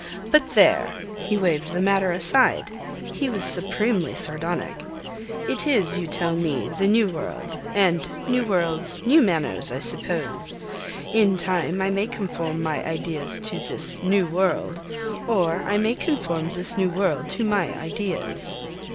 But there!" he waved the matter aside. He was supremely sardonic. "It is, you tell me, the New World, and new worlds, new manners, I suppose. In time I may conform my ideas to this new world, or I may conform this new world to my ideas."